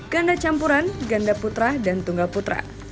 ganda campuran ganda putra dan tunggal putra